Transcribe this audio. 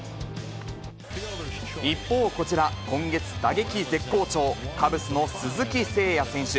一方、こちら、今月、打撃絶好調、カブスの鈴木誠也選手。